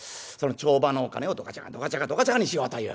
帳場のお金をドカチャカドカチャカドカチャカにしようという。